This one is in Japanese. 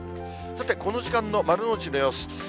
さて、この時間の丸の内の様子。